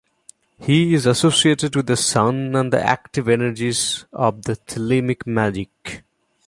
He is associated with the Sun and the active energies of Thelemic magick.